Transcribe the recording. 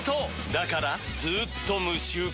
だからずーっと無臭化！